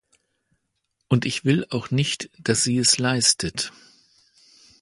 Und ich will auch nicht, dass sie es leistet.